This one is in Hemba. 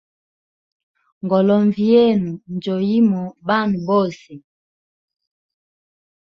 Ngolonvi yenu njo yimo banwe bose.